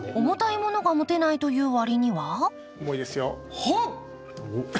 重たいものが持てないと言うわりには重いですよ。